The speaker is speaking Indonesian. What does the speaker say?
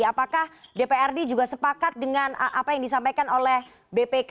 apakah dprd juga sepakat dengan apa yang disampaikan oleh bpk